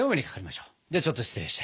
ではちょっと失礼して。